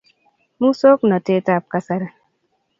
musong'notetab kasari